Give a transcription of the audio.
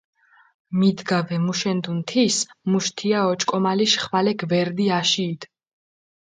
მიდგა ვემუშენდუნ, თის მუშ თია ოჭკომალიშ ხვალე გვერდი აშიიდჷ.